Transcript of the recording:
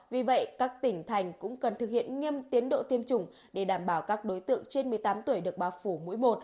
vì vậy các tỉnh thành cũng cần thực hiện nghiêm tiến độ tiêm chủng để đảm bảo các đối tượng trên một mươi tám tuổi được bao phủ mũi một